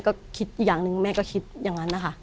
ก็คิดอีกอย่างหนึ่งแม่ก็คิดอย่างนั้นนะคะ